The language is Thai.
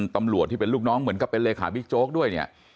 ตำรวจที่เป็นลูกน้องเหมือนกับเป็นเลขาบิ๊กโจ๊กด้วยเนี่ย